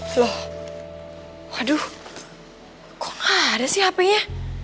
loh aduh kok gak ada sih handphonenya